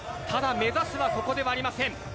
ただ、目指すはここではありません。